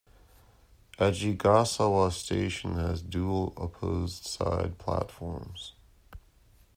Ajigasawa Station has dual opposed side platforms.